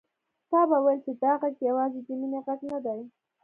تا به ويل چې دا غږ يوازې د مينې غږ نه دی.